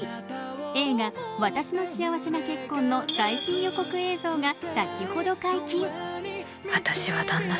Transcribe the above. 映画「わたしの幸せな結婚」の最新予告映像が先ほど解禁。